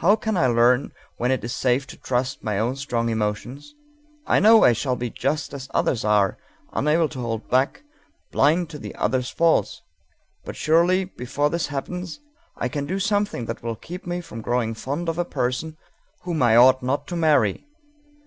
How can I learn when it is safe to trust my own strong emotions? I know I shall be just as others are, unable to hold back, blind to the other's faults, but surely before this happens I can do something that will keep me from growing fond of a person whom I ought not to marry!